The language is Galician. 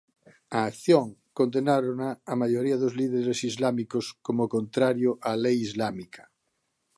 A acción condenárona a maioría dos líderes islámicos como contrario á lei islámica.